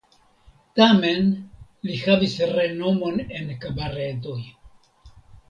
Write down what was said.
Tamen li havis renomon en kabaredoj.